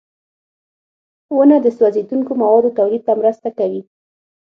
• ونه د سوځېدونکو موادو تولید ته مرسته کوي.